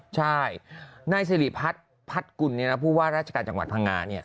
ใช่นายสิริพัฒน์พัดกุลผู้ว่าราชการจังหวัดพังงา